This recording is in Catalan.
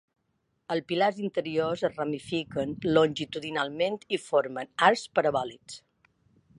Els pilars interiors es ramifiquen longitudinalment i formen arcs parabòlics.